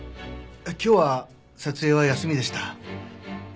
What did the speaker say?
今日は撮影は休みでした。